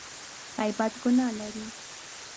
غیبت ګناه لري !